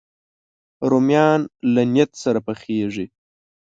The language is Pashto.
رومیان له نیت سره پخېږي